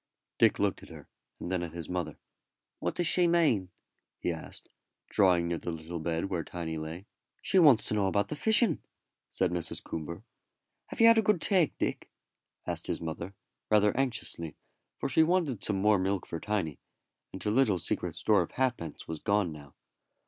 Dick looked at her, and then at his mother. "What does she mean?" he asked, drawing near the little bed where Tiny lay. "She wants to know about the fishing," said Mrs. Coomber. "Have you had a good take, Dick?" asked his mother, rather anxiously, for she wanted some more milk for Tiny, and her little secret store of halfpence was gone now.